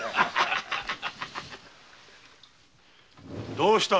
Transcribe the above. どうした？